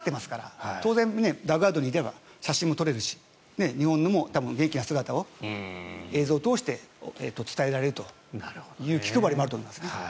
ただ、当然日本から来てるってことご本人もわかってますから当然、ダッグアウトにいれば写真も撮れるし日本にも元気な姿を映像を通して伝えられるという気配りもあると思います。